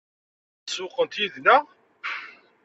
Ad sewwqent yid-neɣ?